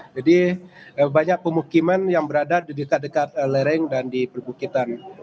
jadi banyak pemukiman yang berada dekat dekat lereng dan di pebukitan